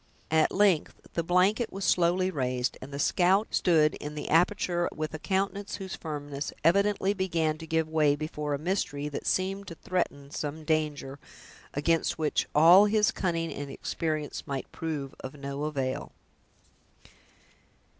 At length, the blanket was slowly raised, and the scout stood in the aperture with a countenance whose firmness evidently began to give way before a mystery that seemed to threaten some danger, against which all his cunning and experience might prove of no avail.